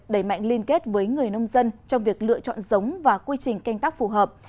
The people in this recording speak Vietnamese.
đẩy mạnh liên kết với người nông dân trong việc lựa chọn giống và quy trình canh tác phù hợp